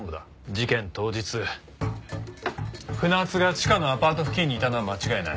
事件当日船津がチカのアパート付近にいたのは間違いない。